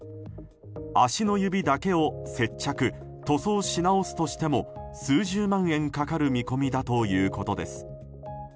足の指だけを接着塗装し直すとしても数十万円かかる見込みだということです。